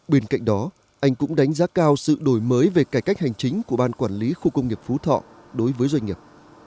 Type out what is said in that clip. bên cạnh đó anh cũng đánh giá cao sự đổi mới về cải cách hành chính của ban quản lý khu công nghiệp phú thọ đối với doanh nghiệp